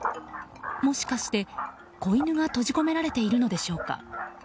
もしかして、子犬が閉じ込められているのでしょうか。